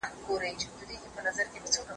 ښوونکی وایي چې علم لویه شتمني ده.